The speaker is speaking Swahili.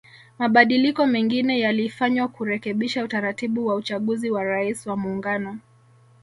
Mabadiliko mengine yalifanywa kurekebisha utaratibu wa uchaguzi wa Rais wa Muungano